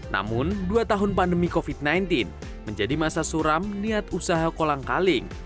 namun dua tahun pandemi covid sembilan belas menjadi masa suram niat usaha kolang kaling